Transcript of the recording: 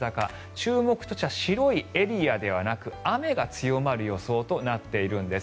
注目としては白いエリアではなく雨が強まる予想となっているんです。